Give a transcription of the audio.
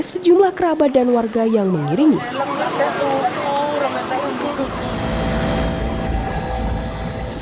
sejumlah kerabat dan warga yang mengiringi isak tangis